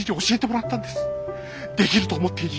「できる」と思っていい。